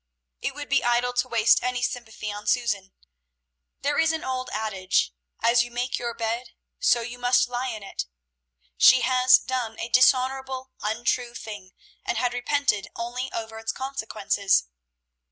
It would be idle to waste any sympathy on Susan. There is an old adage, "As you make your bed, so must you lie in it." She had done a dishonorable, untrue thing, and had repented only over its consequences.